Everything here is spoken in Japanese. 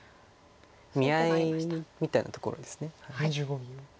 見合いみたいなところです。